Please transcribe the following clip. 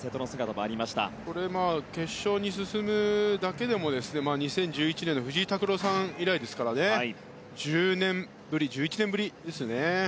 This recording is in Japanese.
決勝に進むだけでも２０１１年の藤井拓郎さん以来ですから１１年ぶりですね。